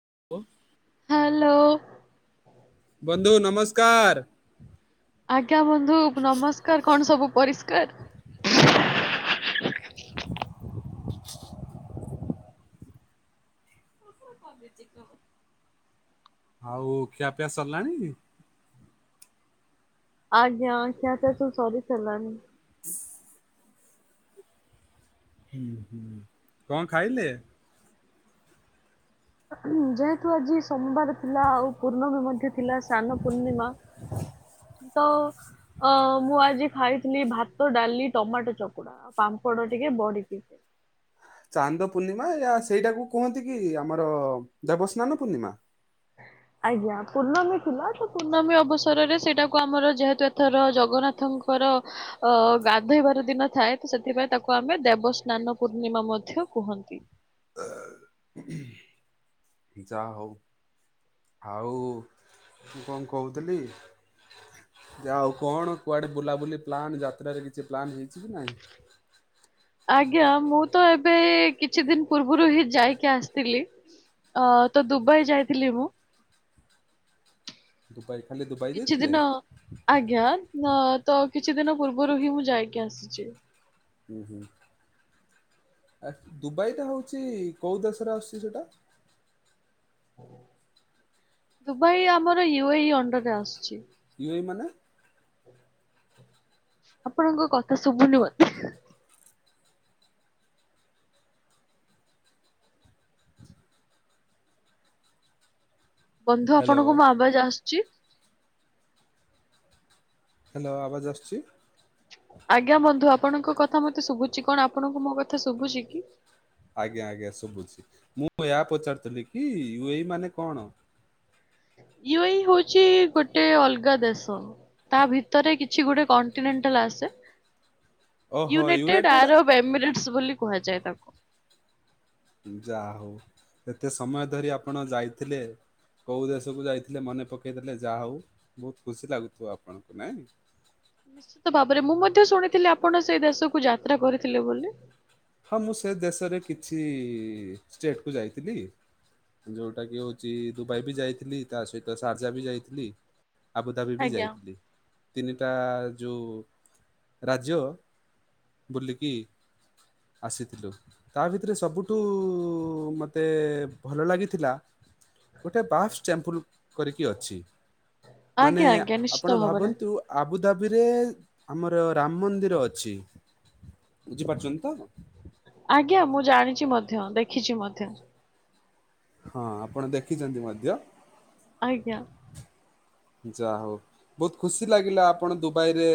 [inaudible] Hello. ବନ୍ଧୁ ନମସ୍କାର। ଆଜ୍ଞା ବନ୍ଧୁ ନମସ୍କାର କଣ ସବୁ ପରିଷ୍କାର। [inaudible] [inaudible] [inaudible] ଆଉ ଖିଆପିଆ ସରିଲାଣି? ଆଜ୍ଞା କଛ ତୁ ସରି ଚାନି [inaudible] କଣ ଖାଇଲେ? ଯେହେତୁ ଆଜି ସୋମବାର ଥିଲା ଆଉ ପୂର୍ଣ୍ଣମୀ ମଧ୍ୟ ଥିଲା ସାନ ପୂର୍ଣ୍ଣିମା [inaudible] ତ ଅ ମୁଁ ଆଜି ଖାଇଥିଲି ଭାତ ଡାଲି ଟମାଟୋ ଚକୁଡା ପାମ୍ପଡ ଟିକେ ବଢି ଟିକେ ଚାନ୍ଦ ପୂର୍ଣ୍ଣିମା ୟା ସେଇଟାକୁ କୁହନ୍ତି କି ଆମର ଦେବସ୍ନାନ ପୂର୍ଣ୍ଣିମା? ହଁ। ଆଜ୍ଞା ପୂର୍ଣ୍ଣମୀ ଥିଲା ତ ପୂର୍ଣ୍ଣମୀ ଅବସରରେ ସେଇଟାକୁ ଆମର ଯେହେତୁ ଏଥର ଜଗନ୍ନାଥଙ୍କର ଗାଧୋଇବାର ଦିନ ଥାଏ ତ ସେଥିପାଇଁ ତାକୁ ଆମେ ଦେବସ୍ନାନ ପୂର୍ଣ୍ଣିମା ମଧ୍ୟ କୁହନ୍ତି। [unintelligible] ଯା ହଉ ଆଉ କଣ କହୁଥିଲି ଆଉ କଣ କୁଆଡ଼େ ବୁଲାବୁଲି ପ୍ଲାନ୍ ଯାତ୍ରାରେ କିଛି ପ୍ଲାନ୍ ହେଇଛି କି ନାହିଁ? ଆଜ୍ଞା ମୁଁ ତ ଏବେ କିଛି ଦିନ ପୂର୍ବରୁ ହିଁ ଯାଇକି ଆସିଥିଲି। ଅ ତ ଦୁବାଇ ଯାଇଥିଲି ମୁଁ ଦୁବାଇ ଖାଲି ଦୁବାଇ କିଛି ଯାଇଥିଲେ ଦିନ ଆଜ୍ଞା ତ ତ କିଛି ଦିନ ପୂର୍ବରୁ ହିଁ ମୁଁ ଯାଇକି ଆସିଛି। ହୁଁ ହୁଁ। ଆ ଦୁବାଇଟା ହଉଛି କୋଉ ଦେଶରେ ଆସୁଛି ସେଟା? ଦୁବାଇ ଆମର ୟୁ ଏ ଇ ଅଣ୍ଡରରେ ଆସୁଛି। ୟୁ ଏ ଇ ମାନେ? ଆପଣଙ୍କ କଥା ଶୁଭୁନି ମତେ। ବନ୍ଧୁ ହ୍ୟାଲୋ ଆପଣଙ୍କୁ ମୋ ଆବାଜ ଆସୁଚି? ହ୍ୟାଲୋ ଆବାଜ ଆସୁଚି। ଆଜ୍ଞା ବନ୍ଧୁ ଆପଣଙ୍କ କଥା ମତେ ଶୁଭୁଛି। କଣ ଆପଣଙ୍କୁ ମୋ କଥା ଶୁଭୁଛି କି? ଆଜ୍ଞା ଆଜ୍ଞା ଶୁଭୁଛି। ମୁଁ ଏହା ପଚାରୁିଥିଲି କି ୟୁ ଏ ଇ ମାନେ କଣ? ୟୁ ଏ ଇ ହଉଛି ଗୋଟେ ଅଲଗା ଦେଶ। ତା ଭିତରେ କିଛି ଗୋଟେ କଣ୍ଟିନେଣ୍ଟାଲ ଆସେ ୟୁନାଇଟେଡ ଆରବ ଏମିରେଟସ ବୋଲି କୁହାଯାଏ ତାକୁ। ଯାହଉ, ଏତେ ସମୟ ଧରି ଆପଣ ଯାଇଥିଲେ କୋଉ ଦେଶକୁ ଯାଇଥିଲେ ମନେ ପକେଇଦେଲେ, ଯାହଉ ବହୁତ ଖୁସି ଲାଗୁଥିବ ଆପଣଙ୍କୁ ନାଇଁ? ନିଶ୍ଚିତ ଭାବରେ, ମୁଁ ମଧ୍ୟ ଶୁଣିଥିଲି ଆପଣ ସେଇ ଦେଶକୁ ଯାତ୍ରା କରିଥିଲେ ବୋଲି। ହଁ ମୁଁ ସେ ଦେଶରେ କିଛି ଷ୍ଟେଟକୁ ଯାଇଥିଲି ଯୋଉଟା କି ହଉଛି ଦୁବାଇ ବି ଯାଇଥିଲି, ତା ସହିତ ସାରଜା ବି ଯାଇଥିଲି ଆବୁଧାବି ବି ଆଜ୍ଞା। ଯାଇଥିଲି। ତିନିଟା ଯୋଉ ରାଜ୍ୟ ବୁଲିକି ଆସିଥିଲୁ। ତା ଭିତରେ ସବୁଠୁ ମୋତେ ଭଲ ଲାଗିଥିଲା ଗୋଟେ ବାଫ୍ ଚ୍ୟାମ୍ପୁଲ କରିକି ଅଛି। ମାନେ ଆଜ୍ଞା ଆଜ୍ଞା ନିଶ୍ଚିତ ଆପଣ ଭାବରେ। ଭାବନ୍ତୁ ଆବୁ ଅବୁଦାବିରେ ଆମର ରାମ ମନ୍ଦିର ଅଛି। ବୁଝିପାରୁଛନ୍ତି ତ? ଆଜ୍ଞା। ମୁଁ ଜାଣିଛି ମଧ୍ୟ ଦେଖିଛି ମଧ୍ୟ। ହଁ। ଆପଣ ଦେଖିଛନ୍ତି ମଧ୍ୟ। ଆଜ୍ଞା। ଯାହଉ, ବହୁତ ଖୁସି ଲାଗିଲା ଆପଣ ଦୁବାଇରେ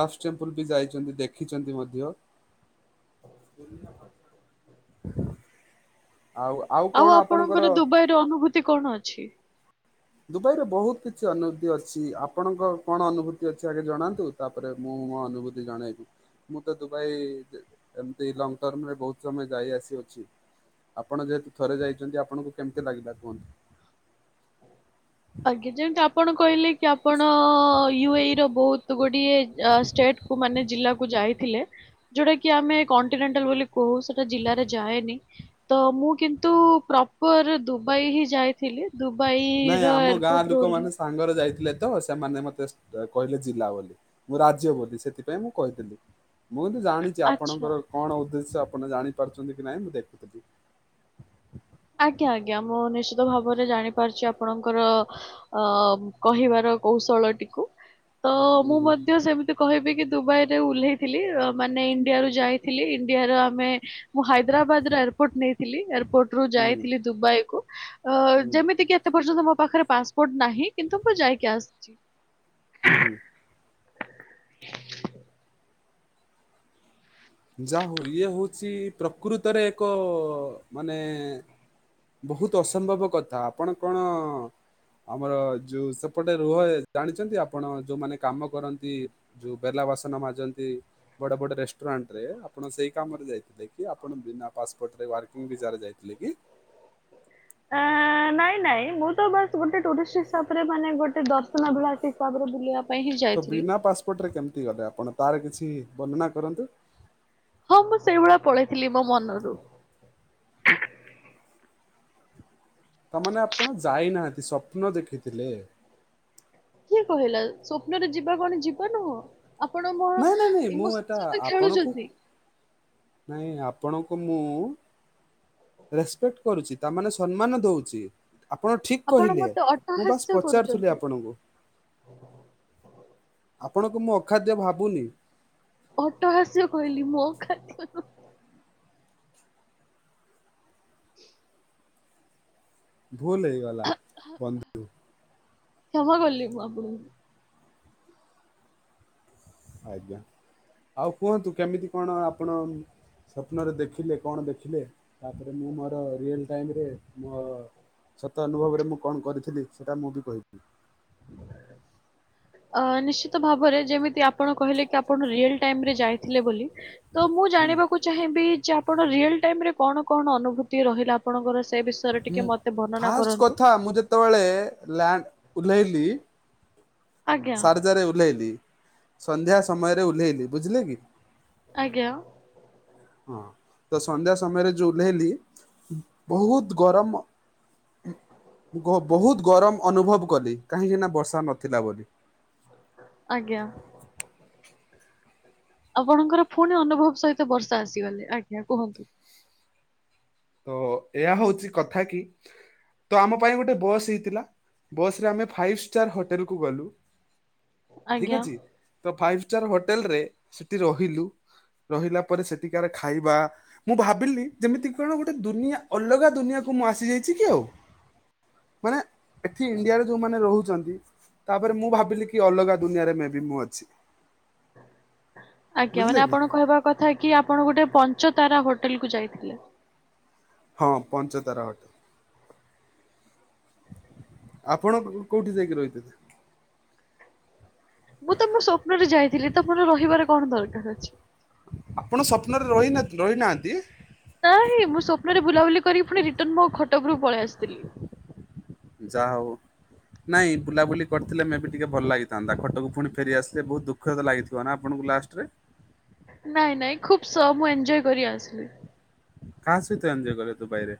ବାଫ୍ ଟେମ୍ପଲ ବି ଯାଇଛନ୍ତି ଦେଖିଛନ୍ତି ମଧ୍ୟ ହ। [inaudible] ଆଉ ଆପଣଙ୍କର ଦୁବାଇର ଅନୁଭୂତି କଣ ଅଛି? ଦୁବାଇରେ ବହୁତ କିଛି ଅନୁଭୂତି ଅଛି। ଆପଣଙ୍କର କଣ ଅନୁଭୂତି ଅଛି ଆଗେ ଜଣାନ୍ତୁ? ତାପରେ ମୁଁ ମୁଁ ମୋ ଅନୁଭୂତି ଜଣେଇବି। ମୁଁ ତ ଦୁବାଇ ଏମତି ଲଙ୍ଗ ଟର୍ମରେ ବହୁତ୍ ସମୟ ଯାଇ ଆସିଅଛି। ଆପଣ ଯେହେତୁ ଥରେ ଯାଇଛନ୍ତି ଆପଣଙ୍କୁ କେମତି ଲାଗିଲା କୁହନ୍ତୁ? ଆଜ୍ଞା। ଯେମତି ଆପଣ କହିଲେ କି ଆପଣ ୟୁ ଏ ଇ ର ବହୁତ ଗୁଡିଏ ଷ୍ଟେଟ କୁ ମାନେ ଜିଲ୍ଲାକୁ ଯାଇଥିଲେ। ଯୋଉଟା କି ଆମେ କଣ୍ଟିନେଣ୍ଟାଲ ବୋଲି କହୁ, ସେଟା ଜିଲ୍ଲାରେ ଯାଏନି। ତ ମୁଁ କିନ୍ତୁ ପ୍ରପର ଦୁବାଇ ହିଁ ଯାଇଥିଲି। ଦୁବାଇ ନାଇଁ ଆମ ଗାଁ ଲୋକମାନେ ସାଙ୍ଗରେ ଯାଇଥି ଥିଲେ ତ, ସେମାନେ ମତେ କହିଲେ ଜିଲ୍ଲା ବୋଲି, ମୁଁ ରାଜ୍ୟ ବୋଲି, ସେଥିପାଇଁ ମୁଁ କହିଦେଲି। ମୁଁ କିନ୍ତୁ ଜାଣିଚି ଆଚ୍ଛା। ଆପଣଙ୍କର କଣ ଉଦ୍ଦେଶ୍ୟ ଶ୍ୟ ଆପଣ ଜାଣି ପାରୁଚନ୍ତି କି ନାଇଁ ମୁଁ ଦେଖୁଥିଲି। ଆଜ୍ଞା ଆଜ୍ଞା। ମୁଁ ନିଶ୍ଚିତ ଭାବରେ ଜାଣିପାରୁଛି ଆପ ଆପଣଙ୍କର ଅ କହିବାର କୌଶଳଟିକୁ ତ ହୁଁ ମୁଁ ହୁଁ ମଧ୍ୟ ସେମିତି କହିବି କି ଦୁବାଇରେ ଓହ୍ଲେଇଥିଲି, ଅ ମାନେ ଇଣ୍ଡିଆରୁ ଯାଇଥିଲି ଇଣ୍ଡିଆର ଆମେ, ମୁଁ ହାଇଦ୍ରାବାଦ ଏୟାରପୋର୍ଟ ନେଇଥିଲି ଏୟାରପୋର୍ଟ ହୁଁ ଯାଇଥିଲି ଦୁବାଇକୁ, ଅ ହୁଁ ଯେମିତି କି ଏତେ ପର୍ଯ୍ୟନ୍ତ ମୋ ମୋ ପାଖରେ ପାସପୋର୍ଟ ନାହିଁ, କିନ୍ତୁ ମୁଁ ଯାଇକି ଆସଛି। ହୁଁ ହୁଁ। ଯା ହୋଉ ଇଏ ହଉଚି ପ୍ରକୃତରେ ଏକ ମାନେ ବୋହୁତ ଅସମ୍ଭବ କଥା ଆପଣ କଣ ଆମର ଯୋଉ ସେପଟେ ରୁହ ଏ ଜାଣିଚନ୍ତି ଆପଣ ଯୋଉମାନେ କାମ କରନ୍ତି ଯୋଉ ବେଲା ବାସନ ମାଜନ୍ତି ବଡ଼ ବଡ଼ ରେଷ୍ଟୁରାଁ ରେ ଆପଣ ସେଇ କାମରେ ଯାଇଥିଲେ କି ଆପଣ ବିନା ପାସପୋର୍ଟରେ ୱର୍କିଙ୍ଗ୍ ଭିଜାରେ ଯାଇଥିଲେ କି? ଆଁ ଆଁ ନାଇଁ ନାଇଁ ମୁଁ ତ ବାସ୍ ଗୋଟେ ଟୁରିଷ୍ଟ୍ ହିସାବରେ ମାନେ ଗୋଟେ ଦର୍ଶନଭଳାସୀ ହିସାବରେ ବୁଲିବା ପାଇଁ ହିଁ ତ ଯାଇଥିଲି ବିନା ପାସପୋର୍ଟରେ କେମିତି ଗଲେ ଆପଣ ତାର କିଛି ବର୍ଣ୍ଣନା କରନ୍ତୁ। ହଁ ମୁଁ ସେଇ ଭଳିଆ ପଳେଇଥିଲି ମୋ ମନରୁ। ତା ମାନେ ଆପଣ ଯାଇନାହାନ୍ତି ସ୍ୱପ୍ନ ଦେଖିଥିଲେ। କିଏ କହିଲା ସ୍ଵପ୍ନରେ ଯିବା କଣ ଯିବା ନୁହଁ? ଆପଣ ମୋ ନାଇଁ ନାଇଁ ନାଇଁ ମୁଁ ଇମୋସନ୍ ଏଟା ସହିତ ଆପଣଙ୍କୁ ଖେଳୁଛନ୍ତି। ନାଇଁ ଆପଣଙ୍କୁ ମୁଁ ରେସପେକ୍ଟ୍ କରୁଚି। ତା ମାନେ ସନ୍ମାନ ଦଉଚି। ଆପଣ ଠିକୁ ଆପଣ କହିଲେ ମତେ ମୁଁ ବାସ୍ ଅଟ୍ଟହାସ୍ୟ ପଚାରୁଥୁଲି କରୁଛନ୍ତି। ଆପଣଙ୍କୁ। ଆପଣଙ୍କୁ ମୁଁ ଅଖାଦ୍ୟ ଭାବୁନି। ଅଟ୍ଟହାସ୍ୟ କହିଲି ମୁଁ ଅଖାଦ୍ୟ ନୁ ଭୁଲ୍ ହେଇଗଲା ବନ୍ଧୁ। କ୍ଷମା କଲି ମୁଁ ଆପଣଙ୍କୁ। ଆଜ୍ଞା। ଆଉ କୁହନ୍ତୁ କେମିତି କଣ ଆପଣ ସ୍ୱପ୍ନରେ ଦେଖିଲେ କଣ ଦେଖିଲେ? ତାପରେ ମୁଁ ମର ରିଏଲ୍ ଟାଇମ୍ ରେ ମୋ ସତ ଅନୁଭବରେ ମୁଁ କଣ କରିଥିଲି ସେଟା ମୁଁ ବି କହିବି। ଅ ନିଶ୍ଚିତ ଭାବରେ ଯେମିତି ଆପଣ କହିଲେ କି ଆପଣ ରିଏଲ୍ ଟାଇମ୍ ରେ ଯାଇଥିଲେ ବୋଲି। ତ ମୁଁ ଜାଣିବାକୁ ଚାହିଁବି ଯେ ଆପଣ ରିଅଲ ଟାଇମ୍ ରେ କଣ କଣ ଅନୁଭୂତି ରହିଲା ଆପଣଙ୍କର ସେ ବିଷୟରେ ଟିକେ ଉଁ ମତେ ବର୍ଣ୍ଣନା ଫାଷ୍ଟ କରନ୍ତୁ। କଥା ମୁଁ ଯେତୋଳେ ଲ୍ୟାଣ୍ଡ୍ ଓଲ୍ହେଇଲି ଆଜ୍ଞା ସାର୍ଜାରେ ଓଲ୍ହେଇଲି। ସନ୍ଧ୍ୟା ସମୟରେ ଓଲ୍ହେଇଲି ବୁଝିଲେ କି? ଆଜ୍ଞା। ହଁ ତ ସନ୍ଧ୍ୟା ସମୟରେ ଯୋଉ ଓଲ୍ହେଇଲି ବୋହୁତ ଗରମ ଉଁ ମୁଁ ଗ ବହୁତ ଗରମ ଅନୁଭବ କଲି କାହିଁକି ନାଁ ବର୍ଷା ନଥିଲା ବୋଲି। ଆଜ୍ଞା। ଆପଣଙ୍କର ଫୁଣି ଅନୁଭବ ସହିତ ବର୍ଷା ଆସିଗଲେ ଆଜ୍ଞା କୁହନ୍ତୁ। ତ ଏହା ହଉଚି କଥା କି ତ ଆମ ପାଇଁ ଗୋଟେ ବସ୍ ହେଇଥିଲା ବସ୍ ରେ ଆମେ ଫାଇପ୍ ଷ୍ଟାର୍ ହଟେଲ୍ କୁ ଗଲୁ। ଠିକ୍ ଆଜ୍ଞା। ଅଛି ତ ଫାଇବ୍ ଷ୍ଟାର୍ ହୋଟେଲ୍ ରେ ସେଠି ରହିଲୁ। ରହିଲା ପରେ ସେଠିକାର ଖାଇବା ମୁଁ ଭାବିଲି ଯେମିତି କାରଣ ଗୋଟେ ଦୁନିଆ ଅଲଗା ଦୁନିଆକୁ ମୁଁ ଆସିଯାଇଛି କି ଆଉ। ମାନେ ଏଠି ଇଣ୍ଡିଆରେ ଯୋଉମାନେ ରୋହୁଚନ୍ତି ତାପରେ ମୁଁ ଭାବିଲି କି ଅଲଗା ଦୁନିଆରେ ମେ ବି ମୁଁ ଅଛି। ଆଜ୍ଞା ବୁଝିଲେ ମାନେ କି ଆପଣ କହିବା କଥା କି ଆପଣ ଗୋଟେ ପଞ୍ଚତାରା ହୋଟେଲ୍ କୁ ଯାଇଥିଲେ। ହଁ ପଞ୍ଚତାରା ହଟେ ଆପଣ କୋଉଠି ଯାଇକି ରହିଥିଲେ? ମୁଁ ତ ମୋ ସ୍ୱପ୍ନରେ ଯାଇଥିଲି ତ ମୋର ରହିବାର କଣ ଦରକାର ଅଛି? ଆପଣ ସପ୍ନରେ ରହିନାତି ରହିନାହାନ୍ତି? ଟନ୍ ମୋ ଖଟ ଓପରୁ ପଳେଆସଥିଲି। ଯା ହଉ। ନାଇଁ ବୁଲାବୁଲି କରିଥିଲେ ମେ ବି ଟିକେ ଭଲ ଲାଗିଥାନ୍ତା ଖଟକୁ ପୁଣି ଫେରିଆସିଲେ ବହୁତ ଦୁଃଖ ତ ଲାଗିଥିବ ନା ଆପଣଙ୍କୁ? ଲାଷ୍ଟରେ? ନାଇଁ ନାଇଁ ଖୁବ ସହ ମୁଁ ଏଞଜୟ କରି ଆସିଲି। କାହା ସହିତ ଏନଜୟ କଲେ ଦୁବାଇରେ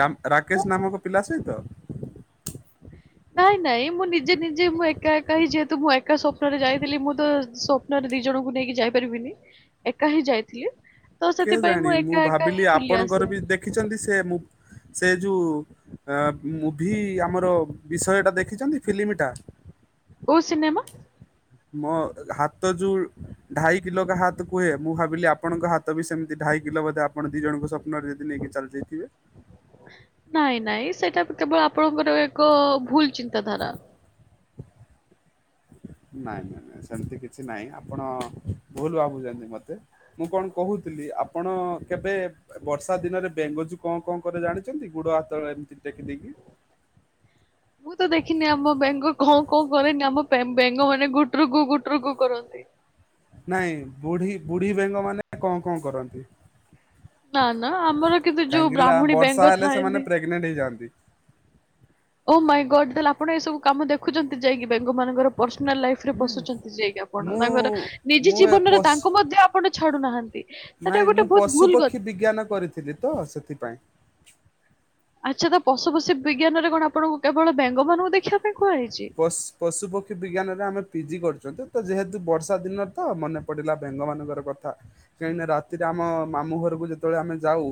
ରାମ୍ ମୁଁ ରାକେଶ ନାମକ ପିଲା ସହିତ? [unintelligible] ନାଇଁ ନାଇଁ ମୁଁ ନିଜେ ନିଜେ ମୁଁ ଏକା ଏକା ହିଁ ଯେହେତୁ ମୁଁ ଏକା ସ୍ୱପ୍ନରେ ଯାଇଥିଲି ମୁଁ ତ ସ୍ୱପ୍ନରେ ଦି ଜଣଙ୍କୁ ନେଇକି ଯାଇପାରିବିନି ଏକା ହିଁ ଯାଇଥିଲି। ତ କେଏ ସେଥିପାଇଁ ଜାଣି ମୁଁ ଏକା ଏକା ହିଁ ଭାବିଲି ବୁଲି ଆପଣଙ୍କର ଆସିଲି। ବି ଦେଖିଛନ୍ତି ସେ ମୁଁ ସେ ଯୁ ଆ ମୁଭି ଆମର ବିଷୟଟା ଦେଖିଛନ୍ତି ଫିଲ୍ମଟା? କୋଉ ସିନେମା? ମୋ ହାତ ଯୋଉ ଢାଇ କିଲ ଗା ହାତ କୁହେ ମୁଁ ଭାବିଲି ଆପଣଙ୍କ ହାତ ବି ସେମିତି ଢ଼ାଇ କିଲୋ ବୋଧେ ଆପଣ ଦି ଜଣଙ୍କୁ ସ୍ୱପ୍ନରେ ଯଦି ନେଇକି ଚାଲିଯାଇଥିବେ? ନାଇଁ ନାଇଁ ସେଇଟା କେବଳ ଆପଣଙ୍କର ଏକ ଭୁଲ ଚିନ୍ତାଧାରା। ନାଇଁ ନାଇଁ ନାଇଁ ସେମତି କିଛି ନାଇଁ ଆପଣ ଭୁଲ ଭାବୁଛନ୍ତି ମତେ ମୁଁ କଣ କହୁଛି ଥିଲି ଆପଣ କେବେ? ବର୍ଷା ଦିନରେ ବେଙ୍ଗଜୁ କଣ କଣ କରେ ଜାଣିଛନ୍ତି ଗୁଡ ହାତ ଏମିତି ଟେକି ଦେଇକି ମୁଁ ତ ଦେଖିନି ଆମ ବେଙ୍ଗଲ କଣ କଣ କରେନି ଆମ ବେଙ୍ଗ ମାନେ ଗୁଟରୁକୁ ଗୁଟରୁୁକୁ କରନ୍ତି। ନାଇଁ ବୁଢୀ ବୁଢୀ ବେଙ୍ଗ ମାନେ କଣ କଣ କରନ୍ତି। ନା ନା ଆମର କିନ୍ତୁ ଯୋଉ କାହିଁକ ନା ବ୍ରାହ୍ମଣୀ ବର୍ଷା ବେଙ୍ଗ ହେଲେ ସେମାନେ ଥାଆନ୍ତି ପ୍ରେଗନେଣ୍ଟ ହେଇଯାଆନ୍ତି। ଓ ମାଇଁ ଗଡ ତାହେଲେ ଆପଣ ଏ ସବୁ କାମ ଦେଖୁଛନ୍ତି ଯାଇକି? ବେଙ୍ଗ ମାନଙ୍କର ପର୍ସନାଲ ଲାଇଫରେ ନାଇଁ, ପସୁଛନ୍ତି ଯାଇକି ଆପଣ ମୁଁ ନା କହିଲ ନିଜ ମୁଁ ଏ ଜୀବନରେ ପୋଷ ତାଙ୍କୁ ମଧ୍ୟ ଆପଣ? ଚାହାଡୁ ନାହାଁନ୍ତି। ନାଇଁ ମୁଁ ପଶୁପକ୍ଷୀ ବିଜ୍ଞାନ କରିଥିଲି ତ ସେଥିପାଇଁ। ଆଚ୍ଛା ତ ପଶୁ ପଶୀ ବିଜ୍ଞାନରେ କଣ ଆପଣଙ୍କୁ କେବଳ ବେଙ୍ଗ ମାନଙ୍କୁ ଦେଖିବା ପାଇଁ ମିଳେ? ପଶ ପଶୁ ପକ୍ଷୀ ବିଜ୍ଞାନରେ ଆମେ ପିଜି କରୁଛନ୍ତି। ତ ଯେହେତୁ ବର୍ଷା ଦିନରେ ତ ମନେ ପଡିଲା ଭେଙ୍ଗ ମାନଙ୍କର କଥା କାହିଁକି ନା ରାତିରେ ଆମ ମାମୁ ଘର ଯେତେବେଳେ ଆମେ ଯାଉ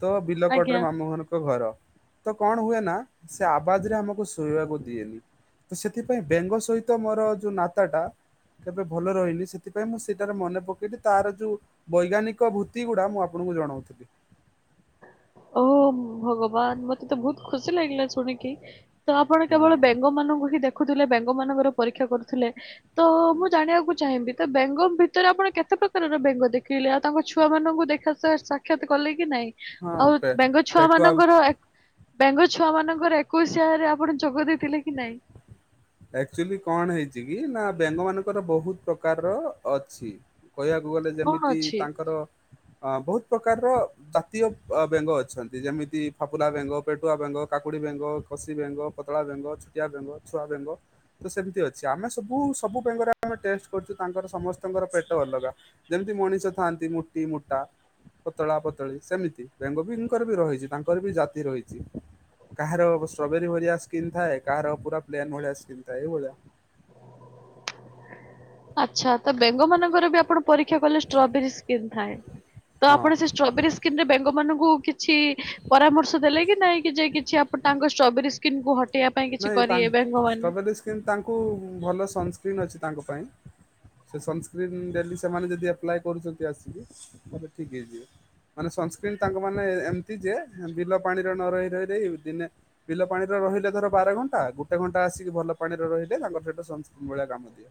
ତ ବିଲକଟରେ ଆଜ୍ଞା। ମାମୁ ଘର ଘର ତ କଣ ହୁଏ ନା? ସେ ଆବାଜ ରେ ଆମକୁ ଶୋଇବାକୁ ଦିଏନି। ତ ସେଥିପାଇଁ ବେଙ୍ଗ ସହିତ ମୋର ଯୋଉ ନାତା ଟା କେବେ ଭଲ ରହିନି ସେ ସେଥିପାଇଁ ମୁଁ ସେଇଟାରେ ମନେ ପକେଇଲିି ତାର ଯୋଉ ବୈଜ୍ଞାନିକ ଭୂତି ଗୁଡା ମୁଁ ଆପଣଙ୍କୁ ଜଣାଉଥିଲି। [unintelligible] ହ ଭଗବାନ ମତେ ତ ବହୁତ ଖୁସି ଲାଗିଲା ଶୁଣିକି। ତ ଆପଣ କେବଳ ହଁ ବେଙ୍ଗ ମାନଙ୍କୁ ହିଁ ଦେଖୁଥିଲେ ବେଙ୍ଗ ମାନଙ୍କର ପରୀକ୍ଷା କରୁଥିଲେ ତ ହୁଁ। ମୁଁ ଜାଣିବାକୁ ଚାହିଁବି ତ ବେଙ୍ଗ ଭିତରେ ଆପଣ କେତେ ପ୍ରକାରର ବେଙ୍ଗ ଦେଖେଇଲେ ଆଉ ତାଙ୍କ ଛୁଆମାନଙ୍କୁ ଦେଖା ସାକ୍ଷାତ କଲେ କି ନାହିଁ? ହଁ ଆଉ ପେ ବେଙ୍ଗ ଛୁଆ ପେଟୁଆ ମାନଙ୍କର ଏତେ ବେଙ୍ଗ ଛୁଆ ମାନଙ୍କର ଏକୋଇଶି ହରେ ଆପଣ ଯୋଗ ଦେଇଥିଲେ କି ନାଇଁ? ଆକ୍ଚୁଆଲି କଣ ହେଇଛି କି ନା ବେଙ୍ଗ ମାନଙ୍କର ବହୁତ ପ୍ରକାରର ଅଛି। କହିବାକୁ ଗଲେ କଣ ଯେମିତି ଅଛି? ତାଙ୍କର ଅ ବହୁତ ପ୍ରକାରର ଜାତୀୟ ବେଙ୍ଗ ଅଛନ୍ତି ଯେମିତି ଫାଫୁଲା ବେଙ୍ଗ ପେଟୁଆ ବେଙ୍ଗ କାକୁଡି ବେଙ୍ଗ କସି ବେଙ୍ଗ ପତଳା ବେଙ୍ଗ ଛୋଟିଆ ବେଙ୍ଗ ଛୁଆ ବେଙ୍ଗ ତ ସେମିତି ଅଛି ଆମେ ସବୁ ସବୁଙ୍କରେ ଆମେ ଟେଷ୍ଟ କରୁଛୁ ତାଙ୍କର ସମସ୍ତଙ୍କର ପେଟ ଅଲଗା। ଯେମିତି ମଣିଷ ଥାଆନ୍ତି ମୁଟି ମୁଟା। ପତଳା ପତଳି ସେମିତି ବେଙ୍ଗବ ଙ୍କର ବି ରହିଛି ତାଙ୍କର ବି ଜାତି ରହିଛି। କାହାର ଷ୍ଟ୍ରବେରୀ ଭଳିଆ ସ୍କିନ୍ ଥାଏ କାହାର ପୁରା ପ୍ ଭଳିଆ ସ୍କନ୍ ଥାଏଇଭଳିଆ। ଆଛା ତ ବେଙ୍ଗ ମାନଙ୍କର ବି ଆପଣ ପରୀକ୍ଷା କଲେ ଷ୍ଟ୍ରବେର ସ୍କ୍ରିନ୍ ଥାଏ। ତ ହଁ। ଆପଣ ସେ ଷ୍ଟ୍ରବେରୀ ସ୍କ୍ରିନ୍ ରେ ବେଙ୍ଗମାନଉଙ୍କୁ କୁ କିଛି ପରାମର୍ଶ ଦେଲେ କି ନାହିଁ କି ଯେ କିଛି ଆପ୍ ତାଙ୍କ ଷ୍ଟବେରି ସ୍କିନକୁ ନାଇଁ ତା ଷ୍ଟ୍ରବେରୀ ସ୍କ୍ରିନ୍ ତାଙ୍କୁ ଭଲ ସନ୍ସ୍ନ୍ ଅଛି ତାଙ୍କ ପାଇଁ ସେ ସନ୍ସ୍କ୍ରନ୍ ଡେ ସେମାନେ ଯଦି ଆପ୍ଲାଏ କରୁଛନ୍ତି ଆସିକିେ ଠିକ୍ ହେଇଯିବ। ମାନେ ସନସ୍କ୍ରିନ ତାଙ୍କ ମାନେ ଏମିତି ଯେ ବିଲ ପାଣିରେ ନ ରହି ରହି ଦେଇ ଦିନେ ବିଲ ପାଣିର ରହିଲା ଧର ବାର ଘଣ୍ଟା ଗୋଟେ ଘଣ୍ଟା ଆସିକି ଭଲ ପାଣିରେ ରହିଲେ ତାଙ୍କ ସେହିତ ସନ ସ୍କ୍ରିନ୍ ଭଳିଆ କାମ ଦିଏ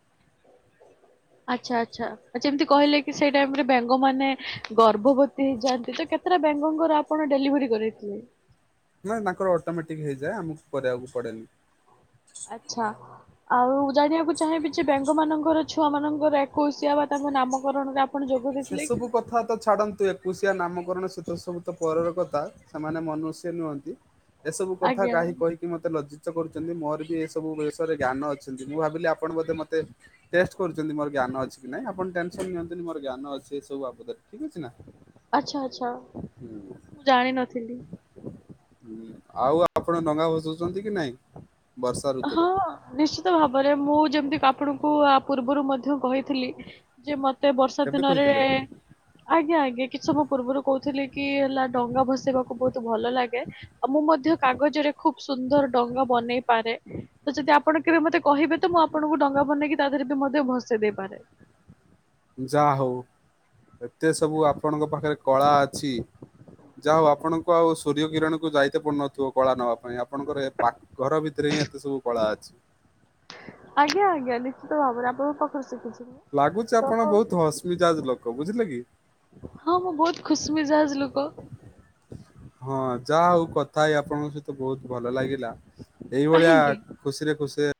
ଆଚ୍ଛା ଆଚ୍ଛା ଆ ଯେମିତି କହିଲେ କି? କି ସେଇ ଟାଇମ ରେ ବେଙ୍ଗ ମାନ ଗର୍ଭବତୀ ହେଇଯାଆନ୍ତି, ତ କେତେଟା ବେଙ୍ଗଙ୍କର ଆପଣ ଡେଲିଭରି କରଇଥିଲେ। ହୁଁ। ନାଇ ତାଙ୍କର ଅଟୋମେଟିକ ହେଇଯାଏ ଆମକୁ କରିବାକୁ ପଡେନି ଆଚ୍ଛା ଆଉ ଜାଣିବାକୁ ଚାହିଁବି ସେ ବେଙ୍ଗ ମାନଙ୍କର ଛୁଆ ମାନଙ୍କର ଏକୋଇସିିଆ ବା ତାଙ୍କ ନାମକରଣରେ ଆପଣ ଯୋଗ ସେ ଦେଇଥିଲେ କି ସବୁ ନାଇଁ? କଥା ତ ଛାଡନ୍ତୁ ଏ ଏକୋଇ ଶିଆ ନାମକରଣ ଶୀତ ସମତ ପରର କଥା ସେମାନେ ମନୁଷ୍ୟ ନୁହନ୍ତି। ଏସବୁ କଥା ଆଜ୍ଞା କାହିଁ କହିକି ମତେ ଲଜ୍ଜି କିସ କରୁଛନ୍ତି ମୋର ବି ଏସବୁ ବିଷୟରେ ଜ୍ଞାନ ଅଛନ୍ତି ମୁଁ ଭାବିଲି ଆପଣ ବୋଧେ ମତେ ଟେଷ୍ଟ କରୁଛନ୍ତି ମୋର ଜ୍ଞାନ ଅଛି କି ନାଇଁ ଆପଣ ଟେନସନ ନିଅନ୍ତୁନି ମୋର ଜ୍ଞାନ ଅଛି ଏ ସବୁ ବାବଦରେ ଠିକ ଅଛି ନା। ଆଚ୍ଛା ଆଚ୍ଛା ହୁଁ। ମୁଁ ଜାଣିିନଥିଲି। ହୁଁ ଆଉ ଆପଣ ଡଙ୍ଗା ଭସଉଛନ୍ତି କି ନାଇଁ? ବର୍ଷା ହଁ ଋତୁରେ ନିଶ୍ଚିତ ଭାବରେ ମୁଁ ଯେମିତି ଆପଣଙ୍କୁ ପୂର୍ବରୁ ମଧ୍ୟ କହିଥିଲି ଯେ ମତେ ବର୍ଷା କେବେ ଦିନରେ କହିଥିଲେ? ଆଜ୍ଞା ଆଜ୍ଞା କିଛି ସମୟ ପୂର୍ବରୁ କହୁଥିଲେ କି ହେଲା ଡଙ୍ଗା ଭସେଇବାକୁ ବହୁତ ଭଲ ଲାଗେ ଆଉ ମୁଁ ମୁଁ ମଧ୍ୟ କାଗଜରେ ଖୁବ୍ ସୁନ୍ଦର ଡଙ୍ଗା ବନେଇ ପାରେ ତ ଯଦି ଆପଣ କେବେ ମତେ କହିବେ ତ ମୁଁ ଆପଣଙ୍କୁ ଡଙ୍ଗା ବନେଇକି ତା ଦେହରେ ବି ମଧ୍ୟ ଭସେଇ ଦେଇପାରେ ଯାହା ହଉ ଏତେ ସବୁ ଆପଣଙ୍କ ପାଖରେ କଳା ଅଛି। ଯାହା ହଉ ଆପଣଙ୍କ ଆଉ ସୂର୍ଯ୍ୟକିରଣ କୁ ଯାଇତ ପଡୁନଥିବ କଳା ନବା ପାଇଁ ଆପଣଙ୍କର ଘର ଭିତରେ ଏତେ ସବୁ କଳା ଅଛି। ଆଜ୍ଞା ଆଜ୍ଞା ନିଶ୍ଚିତ ଭାବରେ ଆପଣଙ୍କ ପାଖରୁ ଶିଖିଛି। ମୁଁ ଲାଗୁଚି ତ ଆପଣ ବହୁତ ହସମିଜାଜ ଲୋକ ବୁଝିଲେ କି। ହଁ ମୁଁ ବହୁତ ଖୁସମିଜାଜ ଲୋକ ହଁ ଯାହା ହଉ କଥା ଆପଣଙ୍କ ସହିତ ବହୁତ ଭଲ ଲାଗିଲା ଏଇଭଳିଆ କାହିଁକି ଖୁସିରେ ଖୁସିରେ